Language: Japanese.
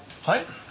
はい？